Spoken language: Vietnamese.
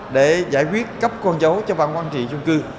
để giải quyết cấp con dấu cho ban quản trị chung cư